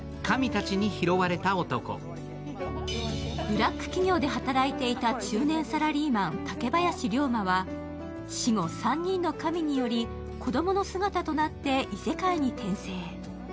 ブラック企業で働いていた中年サラリーマン、竹林竜馬は死語３人の神により子供の姿となって異世界に転生。